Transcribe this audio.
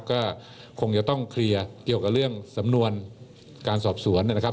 ก็คงจะต้องเคลียร์เกี่ยวกับเรื่องสำนวนการสอบสวนนะครับ